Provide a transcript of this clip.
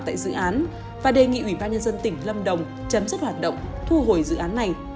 tại dự án và đề nghị ủy ban nhân dân tỉnh lâm đồng chấm dứt hoạt động thu hồi dự án này